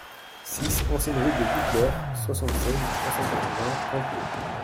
six ancienne Route de Duclair, soixante-seize, trois cent quatre-vingts, Canteleu